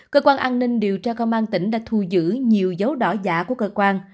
cơ quan an ninh điều tra công an tỉnh đã thu giữ nhiều dấu đỏ giả của cơ quan